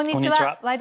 「ワイド！